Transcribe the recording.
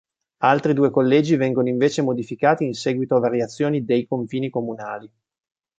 Altri due collegi vengono invece modificati in seguito a variazioni dei confini comunali.